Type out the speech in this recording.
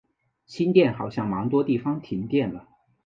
新店好像蛮多地方停电了